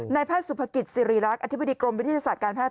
แพทย์สุภกิจสิริรักษ์อธิบดีกรมวิทยาศาสตร์การแพทย